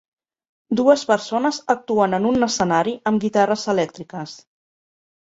Dues persones actuen en un escenari amb guitarres elèctriques.